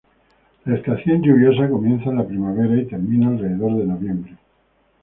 La estación lluviosa comienza en la primavera y termina alrededor de noviembre.